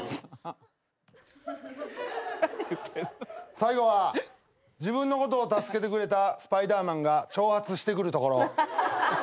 最後は自分のことを助けてくれたスパイダーマンが挑発してくるところ。